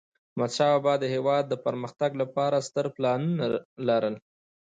احمدشاه بابا د هیواد د پرمختګ لپاره ستر پلانونه لرل.